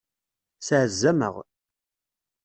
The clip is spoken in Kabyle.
Sɛezzameɣ.